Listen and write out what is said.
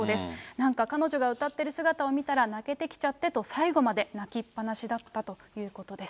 なんか彼女が歌ってる姿を見たら、泣けてきちゃってと、最後まで泣きっ放しだったということです。